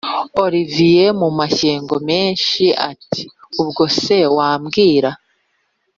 olivier mumashyengo menshi ati”ubwo se wabwira